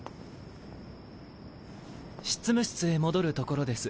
執務室へ戻るところです